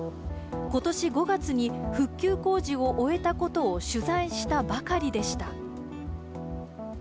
ことし５月に復旧工事を終えたことを取材したばかりでした。